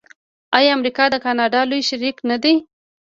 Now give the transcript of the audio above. آیا امریکا د کاناډا لوی شریک نه دی؟